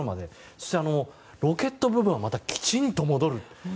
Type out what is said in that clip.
そして、ロケット部分がまたきちんと戻る。